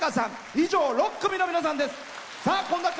以上、６組の皆さんです。